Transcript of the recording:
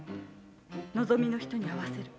望みの人に会わせる。